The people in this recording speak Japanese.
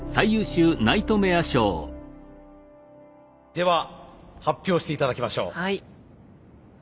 では発表して頂きましょう。